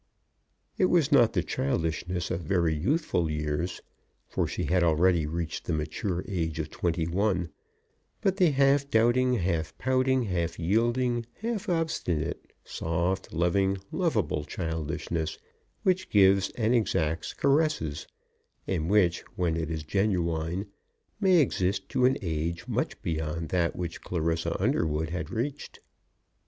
It was not the childishness of very youthful years, for she had already reached the mature age of twenty one; but the half doubting, half pouting, half yielding, half obstinate, soft, loving, lovable childishness, which gives and exacts caresses, and which, when it is genuine, may exist to an age much beyond that which Clarissa Underwood had reached.